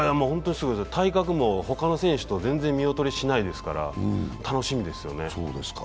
体格もほかの選手と全然見劣りしないですから、すごいですよね。